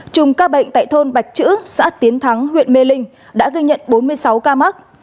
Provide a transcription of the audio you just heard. chùm ca bệnh tại thôn bạch chữ xã tiến thắng huyện mê linh đã ghi nhận bốn mươi sáu ca mắc